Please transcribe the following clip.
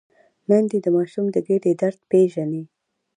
میندې د ماشوم د ګیډې درد پېژني۔